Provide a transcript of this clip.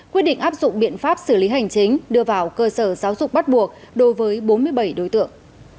quyết định áp dụng biện pháp xử lý hành chính đưa vào cơ sở giáo dục bắt buộc đối với bốn mươi bảy đối tượng